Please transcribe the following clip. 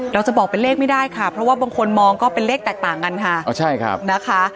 เราจะบอกเป็นเลขไม่ได้ค่ะเพราะว่าบางคนมองก็เป็นเลขแตกต่างกันค่ะอ๋อใช่ครับนะคะ